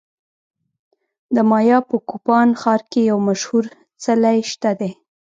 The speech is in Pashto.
د مایا په کوپان ښار کې یو مشهور څلی شته دی